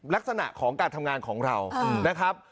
ลักษณะของการทำงานของเรานะครับ